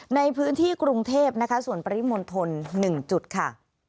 ในพื้นที่กรุงเทพนะคะส่วนปริมณฑล๑จุดค่ะ